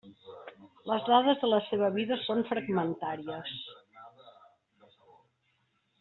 Les dades de la seva vida són fragmentàries.